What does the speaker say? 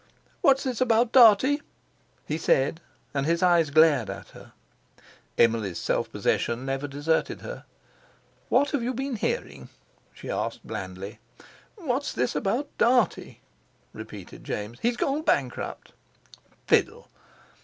"What's this about Dartie?" he said, and his eyes glared at her. Emily's self possession never deserted her. "What have you been hearing?" she asked blandly. "What's this about Dartie?" repeated James. "He's gone bankrupt." "Fiddle!"